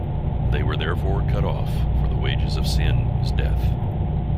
They were therefore cut off, for the wages of sin is death.